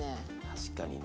確かにね。